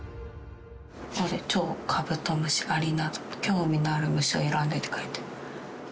チョウ、カブトムシ、アリなど、興味のある虫を選んでって書いてある。